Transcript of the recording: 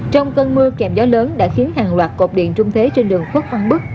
trong cơn mưa kèm gió lớn đã khiến hàng loạt cột điện trung thế trên đường khuất văn bức